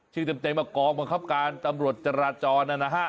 เต็มมากองบังคับการตำรวจจราจรนะฮะ